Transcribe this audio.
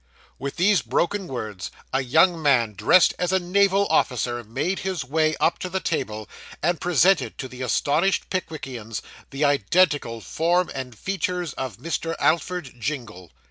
With these broken words, a young man dressed as a naval officer made his way up to the table, and presented to the astonished Pickwickians the identical form and features of Mr. Alfred Jingle.